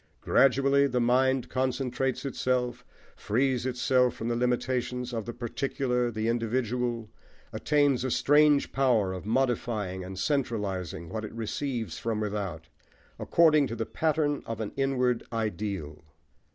Gradually the mind concentrates itself, frees itself from the limitations of the particular, the individual, attains a strange power of modifying and centralising what it receives from without, according to the pattern of an inward ideal.